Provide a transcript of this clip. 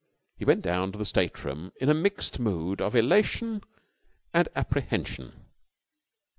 He went down to the stateroom in a mixed mood of elation and apprehension.